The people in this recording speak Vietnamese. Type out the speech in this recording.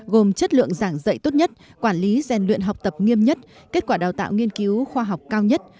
gồm chất lượng giảng dạy tốt nhất quản lý gian luyện học tập nghiêm nhất kết quả đào tạo nghiên cứu khoa học cao nhất